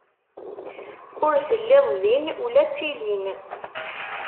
Ur telliḍ din ula d tilin.